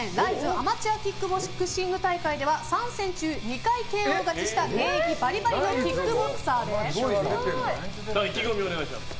アマチュアキックボクシング大会では３戦中２回ＫＯ勝ちした現役バリバリの意気込みをお願いします。